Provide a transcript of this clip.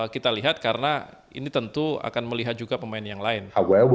kita lihat karena ini tentu akan melihat juga pemain yang lain